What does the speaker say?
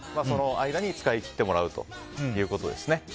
その間に使い切ってもらうということですね。